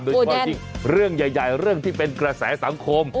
โดยเฉพาะยิ่งเรื่องใหญ่เรื่องที่เป็นกระแสสังคม